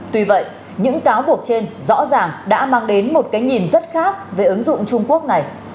tuy vậy những cáo buộc trên rõ ràng đã mang đến một cái nhìn rất khác về ứng dụng trung quốc này